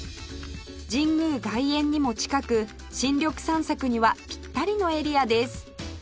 神宮外苑にも近く新緑散策にはピッタリのエリアです